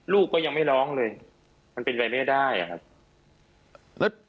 ลูกก็ยังไม่ร้องเลยมันเป็นไปไม่ได้อะครับ